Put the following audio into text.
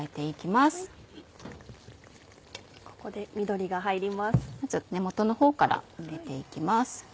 まず根元のほうから入れて行きます。